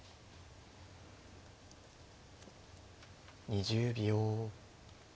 ２０秒。